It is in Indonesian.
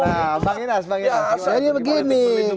nah bang inas jadi begini